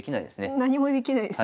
何もできないですね。